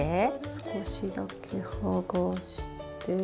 少しだけはがして。